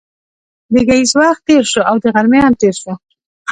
د ګهیځ وخت تېر شو او د غرمې هم تېر شو.